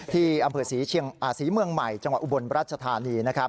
ที่อำเภอศรีเมืองใหม่จังหวัดอุบลราชธานีนะครับ